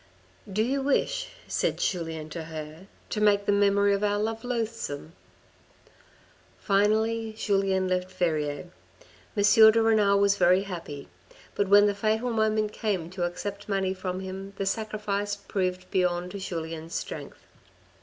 " Do you wish," said Julien to her, " to make the memory of our love loathsome ?" Finally Julien left Verrieres. M. de Renal was very happy, but when the fatal moment came to accept money from him the sacrifice proved beyond Julien's strength.